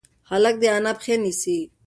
هلک د انا پښې نیسي.